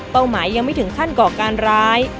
หมายยังไม่ถึงขั้นก่อการร้าย